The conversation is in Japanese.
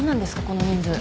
この人数。